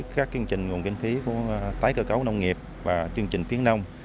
của tái cơ cấu nông nghiệp và chương trình tiến nông